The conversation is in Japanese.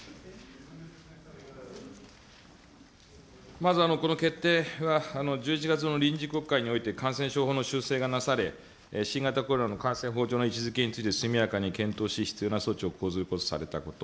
まず、この決定は１１月の臨時国会において感染症法の修正がなされ、新型コロナの感染症法上の位置づけについて速やかに検討し、必要な措置を講ずるとされたこと。